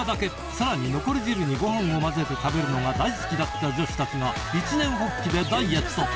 さらに残り汁にご飯を混ぜて食べるのが大好きだった女子たちが一念発起でダイエット！